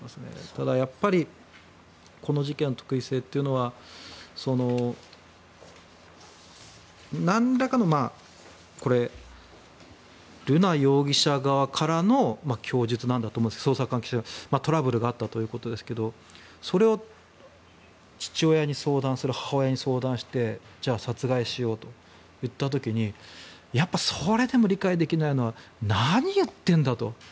ただやっぱりこの事件の特異性というのはなんらかの瑠奈容疑者側からの供述なんだと思うんですが捜査関係者への。トラブルがあったということですがそれを父親に相談して母親に相談してじゃあ、殺害しようといった時にそれでも理解できないのは何言ってんだ？と。